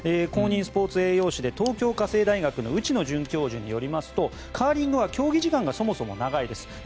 公認スポーツ栄養士で東京家政大学の内野准教授によりますとカーリングは競技時間がそもそも長いです。